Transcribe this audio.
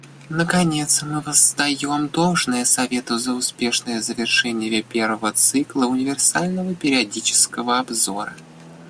Наконец, мы воздаем должное Совету за успешное завершение первого цикла универсального периодического обзора.